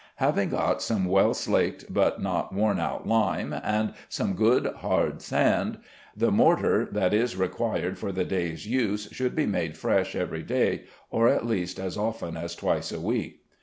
Having got some well slaked but not worn out lime and some good hard sand, the mortar that is required for the day's use should be made fresh every day, or at least as often as twice a week.